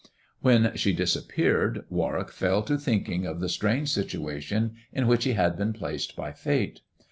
When she disappeared, Warwick fell to thinking of the strange situation in which he had been placed by Fate.